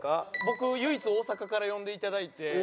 僕唯一大阪から呼んでいただいて。